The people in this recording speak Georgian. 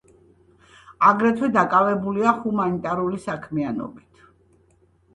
აგრეთვე დაკავებულია ჰუმანიტარული საქმიანობით.